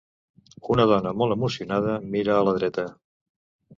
Una dona molt emocionada mira a la dreta.